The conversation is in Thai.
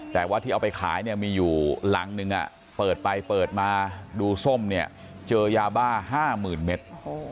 แต่ว่าที่เอาไปขายเนี่ยมีอยู่หลังนึงเปิดไปเปิดมาดูส้มเนี่ยเจอยาบ้า๕๐๐๐เมตร